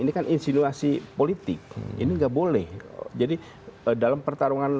ini kan insiluasi politik ini nggak boleh jadi dalam pertarungan